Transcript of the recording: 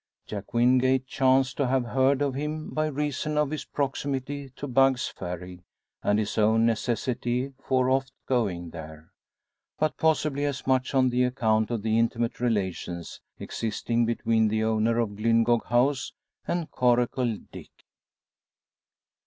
Jack Wingate chanced to have heard of him by reason of his proximity to Bugg's Ferry, and his own necessity for oft going there. But possibly as much on the account of the intimate relations existing between the owner of Glyngog House and Coracle Dick.